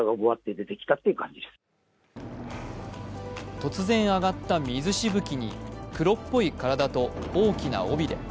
突然上がった水しぶきに黒っぽい体と大きな尾びれ。